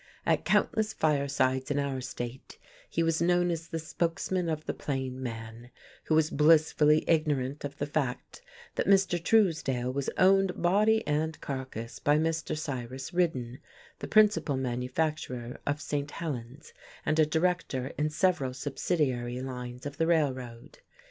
At countless firesides in our state he was known as the spokesman of the plain man, who was blissfully ignorant of the fact that Mr. Truesdale was owned body and carcass by Mr. Cyrus Ridden, the principal manufacturer of St. Helen's and a director in several subsidiary lines of the Railroad.